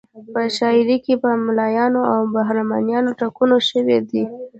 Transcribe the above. په شاعري کې په ملایانو او برهمنانو ټکونه شوي دي.